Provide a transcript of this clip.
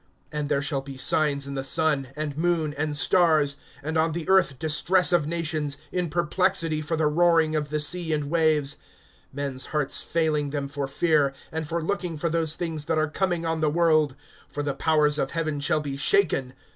(25)And there shall be signs in the sun, and moon, and stars; and on the earth distress of nations, in perplexity for the roaring of the sea and waves; (26)men's hearts failing them for fear, and for looking for those things that are coming on the world; for the powers of heaven shall be shaken.